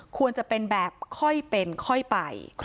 ควรจะเป็นแบบค่อยเป็นค่อยไป